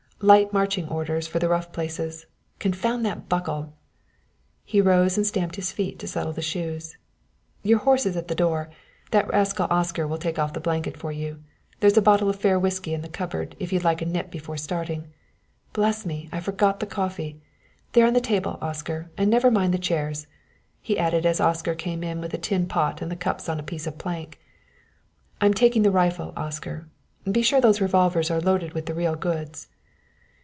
"Light marching orders for the rough places. Confound that buckle." He rose and stamped his feet to settle the shoes. "Your horse is at the door; that rascal Oscar will take off the blanket for you. There's a bottle of fair whisky in the cupboard, if you'd like a nip before starting. Bless me! I forgot the coffee! There on the table, Oscar, and never mind the chairs," he added as Oscar came in with a tin pot and the cups on a piece of plank. "I'm taking the rifle, Oscar; and be sure those revolvers are loaded with the real goods."